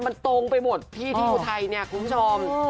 มันตรงไปหมดที่ที่อยู่ไทยเนี่ยกุ้งชอม